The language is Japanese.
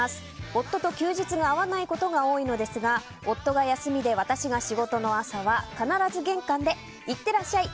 夫と休日が合わないことが多いのですが夫が休みで私が仕事の朝は必ず玄関で行ってらっしゃい！